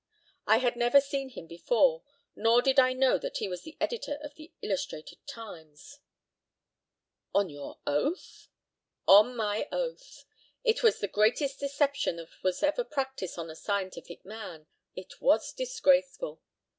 I had never seen him before, nor did I know that he was the editor of the Illustrated Times. "On your oath? On my oath. It was the greatest deception that was ever practised on a scientific man. It was disgraceful.